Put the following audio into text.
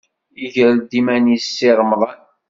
Iger-d iman-nnes Si Remḍan.